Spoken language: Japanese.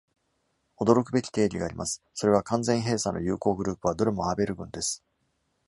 驚くべき定理があります。それは完全閉鎖の有向グループはどれもアーベル群です。